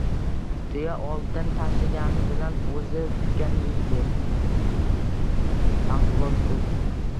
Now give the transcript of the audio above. • Tuya oltin tashigani bilan o‘zi tikan yeydi.